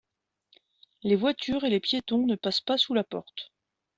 Les voitures et les piétons ne passent pas sous la porte.